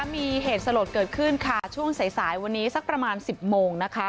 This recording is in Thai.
มีเหตุสลดเกิดขึ้นค่ะช่วงสายวันนี้สักประมาณ๑๐โมงนะคะ